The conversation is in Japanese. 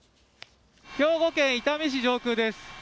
兵庫県伊丹市上空です。